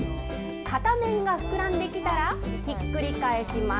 片面が膨らんできたらひっくり返します。